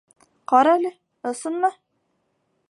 Ҡарәле, ысынмы?